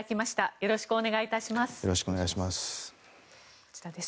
よろしくお願いします。